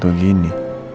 gak anon untuk gini